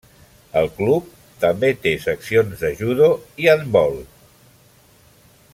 El club també té seccions de judo i handbol.